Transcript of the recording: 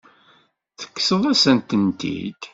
Tekkseḍ-as-tent-id.